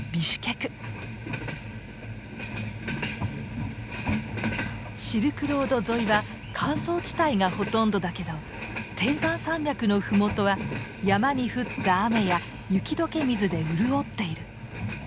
シルクロード沿いは乾燥地帯がほとんどだけど天山山脈の麓は山に降った雨や雪解け水で潤っている。